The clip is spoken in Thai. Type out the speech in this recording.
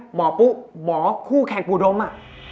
หมอปุ๊หมอผู้แขกปูดมอ่ะ